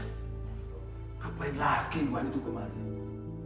ngapain lagi iwan itu kemarin